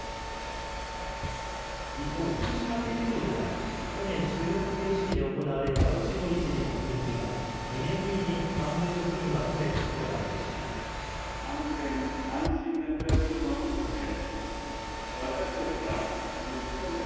一方、福島県庁では去年、収録形式で行われた内堀知事の訓示が２年ぶりに幹部職員を集めて行われました。